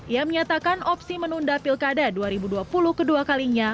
ia menyatakan opsi menunda pilkada dua ribu dua puluh kedua kalinya